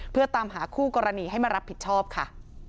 เพื่อตามหาคู่กรณีให้มารับผิดชอบค่ะ